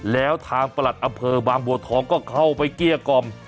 แล้วทางประหลัดอำเภอบางบัวทองก็เข้าไปเกลี้ยกล่อม